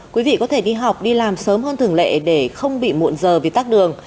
quý vị có thể đi học đi làm sớm hơn thường lệ để không bị muộn giờ vì tắt đường